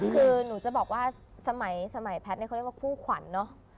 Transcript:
คือหนูจะบอกว่าสมัยแพทย์เนี่ยเขาเรียกว่าคู่ขวัญเนอะ